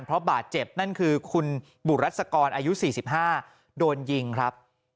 เพราะบาดเจ็บนั่นคือคุณบุรัศกรอายุ๔๕โดนยิงครับ